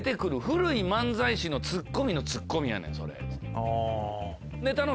古い漫才師のツッコミのツッコミやねんそれ」。